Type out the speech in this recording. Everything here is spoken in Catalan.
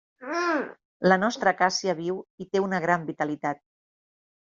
La nostra acàcia viu i té una gran vitalitat.